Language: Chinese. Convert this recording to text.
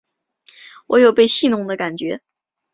我有被戏弄的感觉